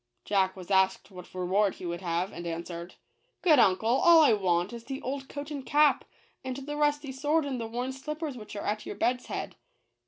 Jack was asked what reward he would have, and answered —" Good uncle, all I want is the old coat and cap, and the rusty sword and the worn slippers which are at your bed's head.